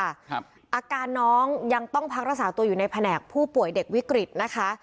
อาการน้องยังต้องพักรักษาตัวอยู่ในแผนกผู้ป่วยเด็กวิกฤตนะคะ